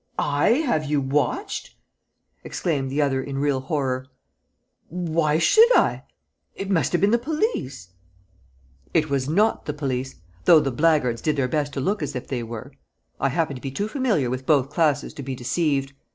"I have you watched!" exclaimed the other in real horror. "Why should I? It must have been the police." "It was not the police, though the blackguards did their best to look as if they were. I happen to be too familiar with both classes to be deceived.